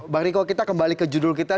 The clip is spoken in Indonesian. bang riko kita kembali ke judul kita